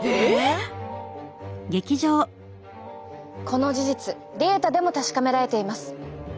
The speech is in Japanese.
この事実データでも確かめられています。